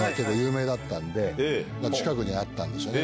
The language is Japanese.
近くにあったんですよね。